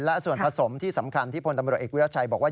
และส่วนผสมที่สำคัญที่พลตำรวจเอกวิรัชัยบอกว่า